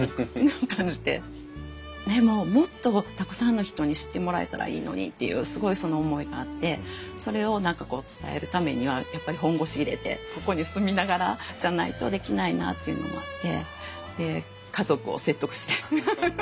でももっとたくさんの人に知ってもらえたらいいのにっていうすごいその思いがあってそれを何かこう伝えるためにはやっぱり本腰入れてここに住みながらじゃないとできないなというのもあってで家族を説得して。